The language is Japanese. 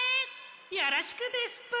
よろしくですぷ！